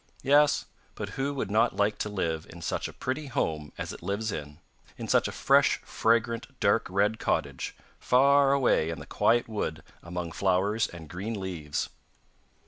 Yes, but who would not like to live in such a pretty home as it lives in; in such a fresh fragrant dark red cottage, far away in the quiet wood among flowers and green leaves!